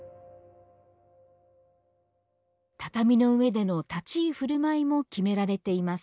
畳の上での立ち居振る舞いも決められています